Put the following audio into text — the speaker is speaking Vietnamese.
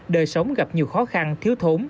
đời sống gặp nhiều khó khăn thiếu thốn